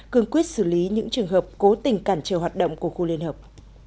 cương quyết xử lý những trường hợp cố tình cản trở hoạt động của khu liên hợp